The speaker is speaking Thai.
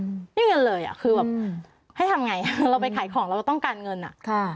ไม่มีเงินเลยอ่ะคือแบบให้ทำไงเราไปขายของเราเราต้องการเงินอ่ะค่ะ